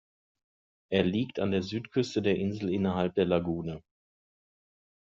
Er liegt an der Südküste der Insel innerhalb der Lagune.